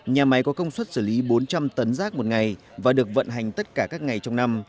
nhà máy có công suất xử lý bốn trăm linh tấn rác một ngày và được vận hành tất cả các ngày trong năm